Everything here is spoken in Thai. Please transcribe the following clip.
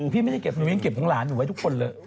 พี่ไม่ได้เก็บหนูยังเก็บของหลานหนูไว้ทุกคนเลย